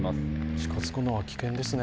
近づくのは危険ですね。